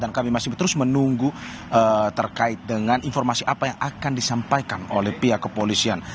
kami masih terus menunggu terkait dengan informasi apa yang akan disampaikan oleh pihak kepolisian